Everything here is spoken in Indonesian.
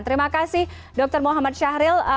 terima kasih dr muhammad syahril